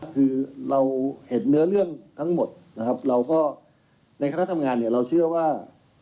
คือเราเห็นเนื้อเรื่องทั้งหมดนะครับเราก็ในคณะทำงานเนี่ยเราเชื่อว่า